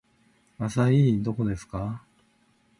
アサイーどこですか